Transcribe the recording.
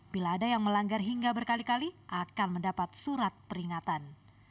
bila ada yang melanggar hingga berkali kali akan mendapat surat peringatan